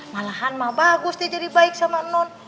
malahan mah bagus dia jadi baik sama non